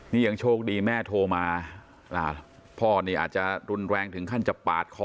นี่ยังโชคดีแม่โทรมาพ่อนี่อาจจะรุนแรงถึงขั้นจะปาดคอ